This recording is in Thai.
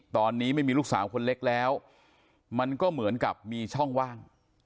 ตอนนี้ไม่มีลูกสาวคนเล็กแล้วมันก็เหมือนกับมีช่องว่าง